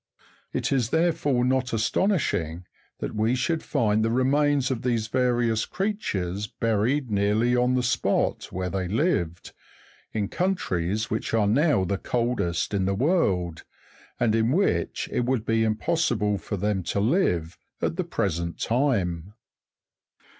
It is therefore not astonishing that we should find the remains of these various creatures buried nearly on the spot where they lived, in countries which are now the coldest in the world, and in which it would be impossible for them to live at the present time.